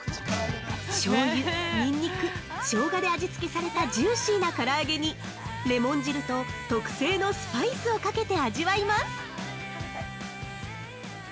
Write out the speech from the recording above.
◆しょうゆ・ニンニク・生姜で味付けされたジューシーなから揚げにレモン汁と特製のスパイスをかけて味わいます。